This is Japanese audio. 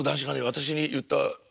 私に言った言葉。